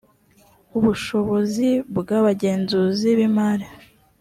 ubushobozi bw abagenzuzi b imari